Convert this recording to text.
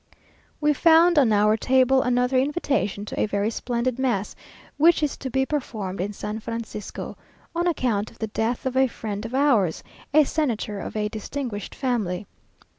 We found on our table another invitation to a very splendid mass, which is to be performed in San Francisco, on account of the death of a friend of ours, a senator of a distinguished family.